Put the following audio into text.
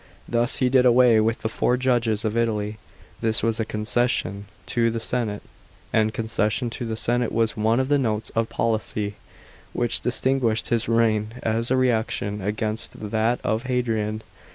Thus he did away with the four Judges of Italy. This was a concession to the senate ; and concession to the senate was one of the notes of policy, which distinguished his reign as a reaction against that of Hadrian.